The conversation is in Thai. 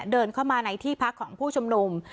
เดินเข้ามาในที่พักของผู้ชุมนุม